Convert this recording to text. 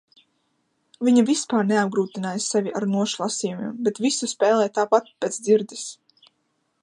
Viņa vispār neapgrūtināja sevi ar nošu lasījumiem, bet visu spēlēja tāpat pēc dzirdes.